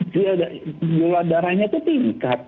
jualan darahnya itu tingkat